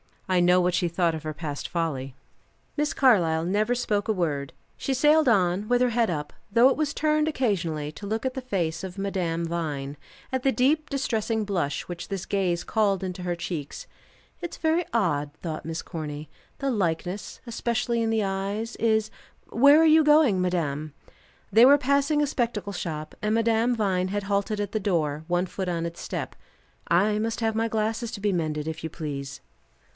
I know what she thought of her past folly. Miss Carlyle never spoke a word. She sailed on, with her head up, though it was turned occasionally to look at the face of Madame Vine, at the deep distressing blush which this gaze called into her cheeks. "It's very odd," thought Miss Corny. "The likeness, especially in the eyes, is Where are you going, madame?" They were passing a spectacle shop, and Madame Vine had halted at the door, one foot on its step. "I must have my glasses to be mended, if you please."